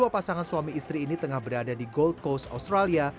dua pasangan suami istri ini tengah berada di gold coast australia